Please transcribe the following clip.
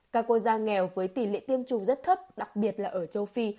các quốc gia nghèo với tỷ lệ tiêm chủng rất thấp đặc biệt là ở châu phi